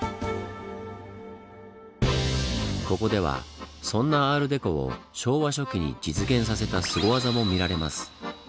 ここではそんなアール・デコを昭和初期に実現させたスゴ技も見られます。